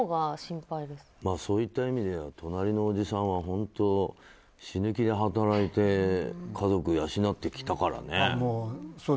そういった意味では隣のおじさんは死ぬ気で働いて家族を養ってきたからね。